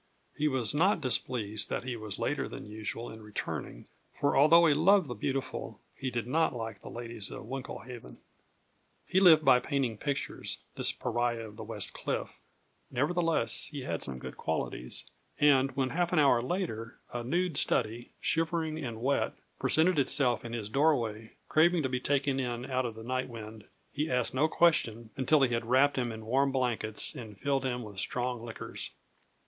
He was not displeased that he was later than usual in returning; for although he loved the beautiful, he did not like the ladies of Winklehaven. He lived by painting pictures, this pariah of the West Cliff; nevertheless, he had some good qualities, and when half an hour later a nude study, shivering and wet, presented itself in his doorway craving to be taken in out of the night wind, he asked no question until he had wrapped him in warm blankets, and filled him with strong liquors.